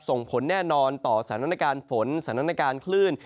ส่งผลแน่นอนต่อสถานการณ์ฝนสถานการณ์คลื่น